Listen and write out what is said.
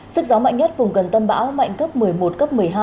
sức gió mạnh nhất vùng gần tâm bão mạnh cấp một mươi một cấp một mươi hai